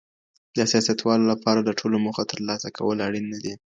د سياستوالو له پاره د ټولو موخو ترلاسه کول اړين ندي.